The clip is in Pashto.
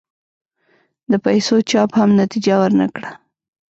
د پیسو چاپ هم نتیجه ور نه کړه.